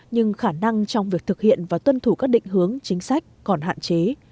nhưng khả năng trong việc thực hiện và tuân thủ các định hướng chính sách còn hạn chế